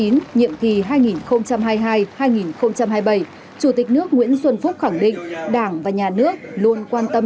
nhiệm kỳ hai nghìn hai mươi hai hai nghìn hai mươi bảy chủ tịch nước nguyễn xuân phúc khẳng định đảng và nhà nước luôn quan tâm